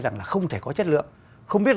rằng là không thể có chất lượng không biết